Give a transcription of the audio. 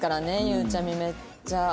ゆうちゃみめっちゃ。